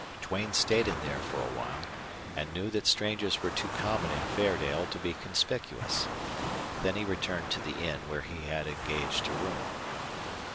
Duane stayed in there for a while, and knew that strangers were too common in Fairdale to be conspicuous. Then he returned to the inn where he had engaged a room.